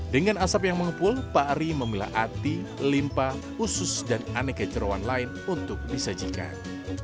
dengan asap yang mengepul pak ari memilah ati limpa usus dan aneka jerawan lain untuk disajikan